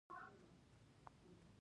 بیان ازادي وه، خو ناسمه کارول کېده.